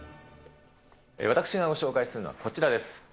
私が紹介するのはこちらです。